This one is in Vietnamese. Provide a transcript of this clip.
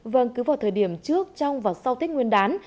vâng cứ vào thời điểm trước trong và sau tết nguyên đán